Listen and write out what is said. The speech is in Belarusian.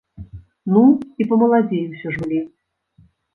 Ну, і памаладзей усё ж былі.